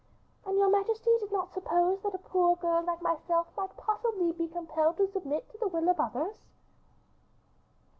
"And your majesty did not suppose that a poor girl like myself might possibly be compelled to submit to the will of others?"